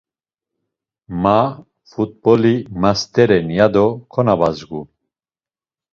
Ma fut̆boli masteren ya do konobazgu.